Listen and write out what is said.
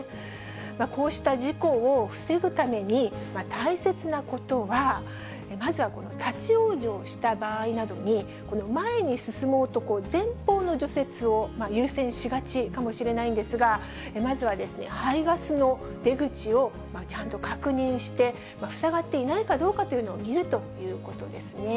こうした事故を防ぐために、大切なことは、まずは立往生した場合などに、この前に進もうと、前方の除雪を優先しがちかもしれないんですが、まずは排ガスの出口をちゃんと確認して、塞がっていないかどうかというのを見るということですね。